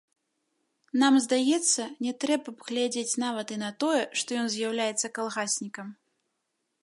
Нам здаецца, не трэба б глядзець нават і на тое, што ён з'яўляецца калгаснікам.